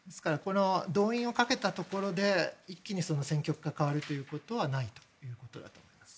動員をかけたところで一気に戦局が変わるということはないと思ってはいます。